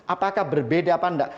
apakah berbeda apa enggak